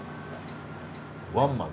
ワンマン。